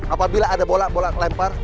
apabila ada bola bola lempar